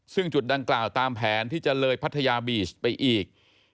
ซึ่งจุดดังกล่าวตามแผนที่จะเลยพัทยาบีชไปอีก